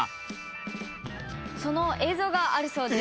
その映像があるそうです。